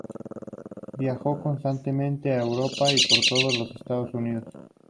Viajó constantemente a Europa y por todos los Estados Unidos.